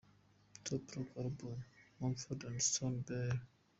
Top Rock Album: Mumford & Son "Babel" .